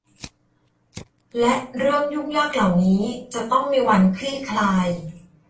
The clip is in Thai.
และเรื่องยุ่งยากเหล่านี้จะต้องมีวันคลี่คลาย